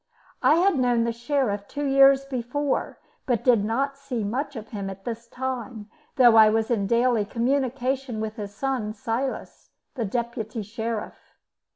I had known the Sheriff two years before, but did not see much of him at this time, though I was in daily communication with his son, Silas, the Deputy Sheriff.